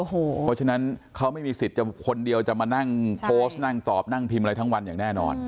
เพราะฉะนั้นเขาไม่มีสิทธิ์จะคนเดียวจะมานั่งโพสต์นั่งตอบนั่งพิมพ์อะไรทั้งวันอย่างแน่นอน